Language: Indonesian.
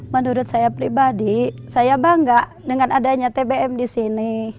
menurut saya pribadi saya bangga dengan adanya tbm di sini